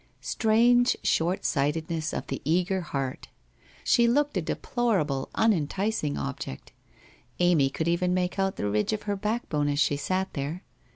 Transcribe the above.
Strange short sightedness of the eager heart ! She looked a deplorable, unenticing object. Amy could even make out the ridge of her backbone as she sat there.